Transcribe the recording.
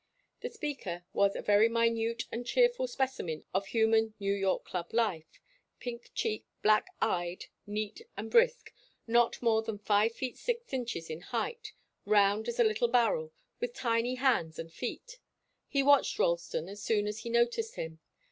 The speaker was a very minute and cheerful specimen of human New York club life, pink cheeked, black eyed, neat and brisk, not more than five feet six inches in height, round as a little barrel, with tiny hands and feet. He watched Ralston, as soon as he noticed him.